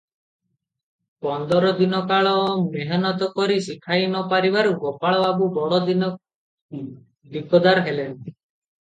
ପନ୍ଦର ଦିନକାଳ ମେହନତ କରି ଶିଖାଇ ନ ପାରିବାରୁ ଗୋପାଳବାବୁ ବଡ଼ ଦିକଦାର ହେଲେଣି ।